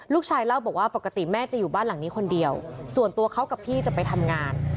เล่าบอกว่าปกติแม่จะอยู่บ้านหลังนี้คนเดียวส่วนตัวเขากับพี่จะไปทำงาน